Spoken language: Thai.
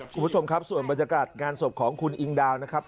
คุณผู้ชมครับส่วนบรรยากาศงานศพของคุณอิงดาวนะครับ